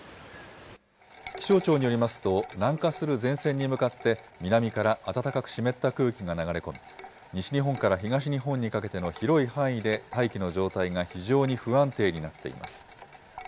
気象庁によりますと、南下する前線に向かって、南から暖かく湿った空気が流れ込み、西日本から東日本にかけての広い範囲で大気の状態が非常に不安定になっています。